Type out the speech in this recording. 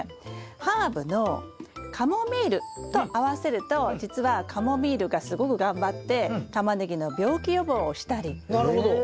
ハーブのカモミールと合わせるとじつはカモミールがすごく頑張ってタマネギの病気予防をしたりへえ。